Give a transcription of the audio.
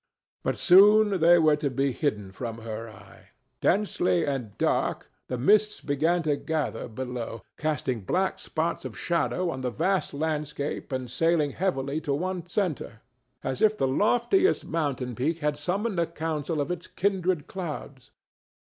But soon they were to be hidden from her eye. Densely and dark the mists began to gather below, casting black spots of shadow on the vast landscape and sailing heavily to one centre, as if the loftiest mountain peak had summoned a council of its kindred clouds.